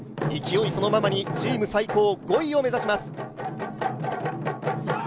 勢いそのままにチーム最高５位を目指します。